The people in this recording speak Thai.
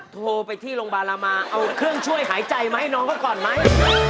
โทรไปที่โรงบารมะเอาเครื่องช่วยหายใจไหมน้องก็ก่อนไหม